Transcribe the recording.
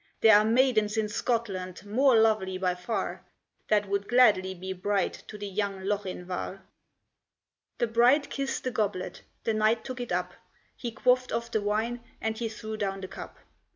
There are maidens in Scotland more lovely by far, That would gladly be bride to the young Lochinvar!" The bride kissed the goblet; the knight took it up, He quaffed off the wine, and he threw down the cup.